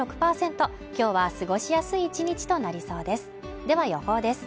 今日は過ごしやすい１日となりそうですでは予報です